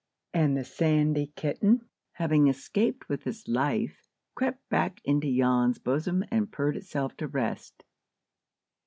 And the sandy kitten, having escaped with its life, crept back into Jan's bosom and purred itself to rest.